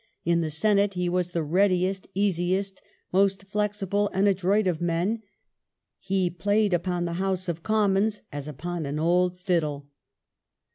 ... In the senate he was the readiest, easiest, most flexible and adroit of men. He played upon the House of Commons as upon an old fiddle."